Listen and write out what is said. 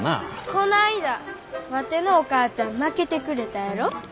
こないだワテのお母ちゃんまけてくれたやろ？